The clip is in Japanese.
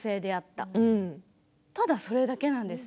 ただそれだけなんです。